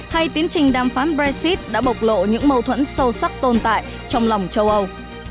hay tiến trình đàm phán brexit đã bộc lộ những mâu thuẫn sâu sắc tồn tại trong lòng châu âu